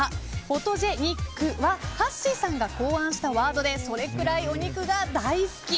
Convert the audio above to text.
フォトジェ肉ははっしーさんが考案したワードでそれくらいお肉が大好き。